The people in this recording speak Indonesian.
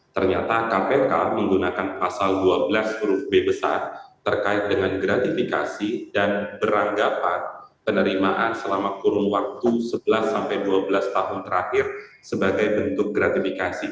ternyata kpk menggunakan pasal dua belas huruf b besar terkait dengan gratifikasi dan beranggapan penerimaan selama kurun waktu sebelas dua belas tahun terakhir sebagai bentuk gratifikasi